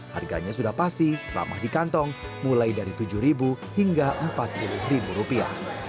harganya sudah pasti ramah di kantong mulai dari tujuh hingga empat puluh rupiah